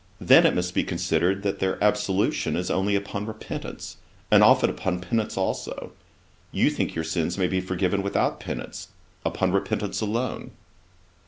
Then it must be considered that their absolution is only upon repentance, and often upon penance also. You think your sins may be forgiven without penance, upon repentance alone.'